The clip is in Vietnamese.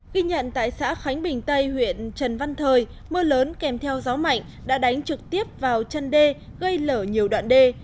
ghi nhận tại xã khánh bình tây huyện trần văn thời mưa lớn kèm theo gió mạnh đã đánh trực tiếp vào chân đê gây lở nhiều đoạn đê